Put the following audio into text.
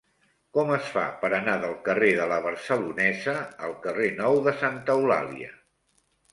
Com es fa per anar del carrer de La Barcelonesa al carrer Nou de Santa Eulàlia?